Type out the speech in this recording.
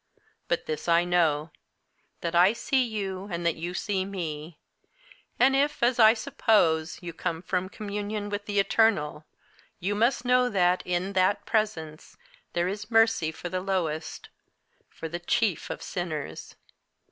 But this I know, that I see you and that you see me, and if, as I suppose, you come from communion with the Eternal, you must know that, in that Presence, there is mercy for the lowest for the chief of sinners!